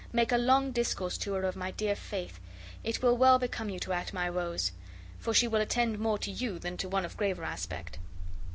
Make a long discourse to her of my dear faith. It will well become you to act my woes, for she will attend more to you than to one of graver aspect."